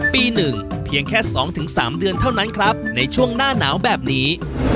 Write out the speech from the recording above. ปี๑เพียงแค่๒๓เดือนเท่านั้นครับในช่วงหน้าหนาวแบบนี้